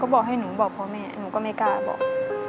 บอกให้หนูบอกพ่อแม่หนูก็ไม่กล้าบอก